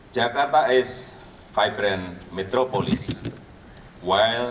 jakarta adalah metropolis yang vibrant